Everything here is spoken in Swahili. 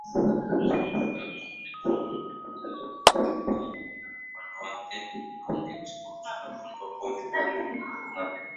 Abdulmalik Mohamed Bakar aliwataka vijana wanawake na wananchi kwa ujumla kuondoa hofu waliyonayo